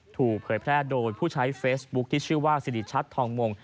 เผยแพร่โดยผู้ใช้เฟซบุ๊คที่ชื่อว่าสิริชัดทองมง